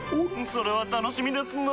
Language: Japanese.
それは楽しみですなぁ。